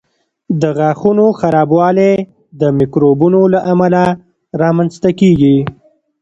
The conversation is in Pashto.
د غاښونو خرابوالی د میکروبونو له امله رامنځته کېږي.